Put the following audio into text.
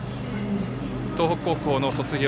東北高校を卒業。